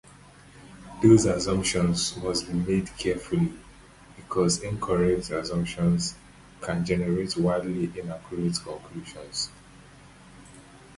Those assumptions must be made carefully, because incorrect assumptions can generate wildly inaccurate conclusions.